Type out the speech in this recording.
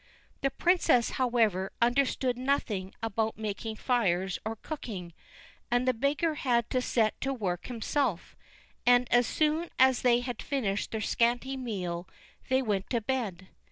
The princess, however, understood nothing about making fires or cooking, and the beggar had to set to work himself, and as soon as they had finished their scanty meal they went to bed.